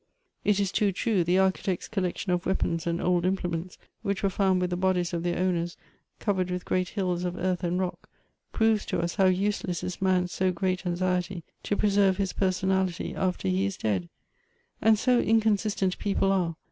"It is too true, the Architect's collection of weapons and old implements, which were found with the bodies of their owners, covered with great hills of earth and rock, proves to us how useless is man's so great anxiety to preserve his personality after he is dead ; and so in consistent people are